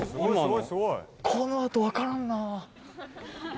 このあと分からんな。